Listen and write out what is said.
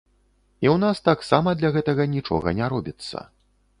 І ў нас таксама для гэтага нічога не робіцца.